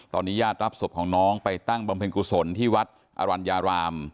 ตอนนี้ญาติรับศพของน้องไปตั้งบำเพ็ญกุศลที่วัดอรัญญาราม